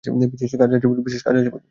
বিশেষ কাজ আছে বুঝি?